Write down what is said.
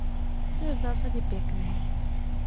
To je v zásadě pěkné.